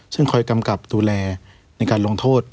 ซึ่งคอยกำกับดูแลในการลงโทษ